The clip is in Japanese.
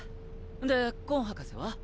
でコン博士は？